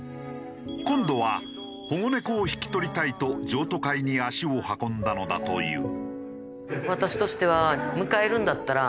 今度は保護猫を引き取りたいと譲渡会に足を運んだのだという。